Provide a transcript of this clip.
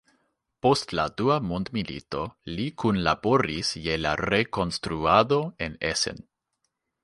Post la Dua Mondmilito li kunlaboris je la rekonstruado en Essen.